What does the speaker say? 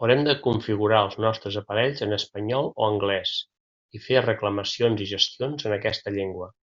Haurem de configurar els nostres aparells en espanyol o anglès, i fer reclamacions i gestions en aquesta llengua.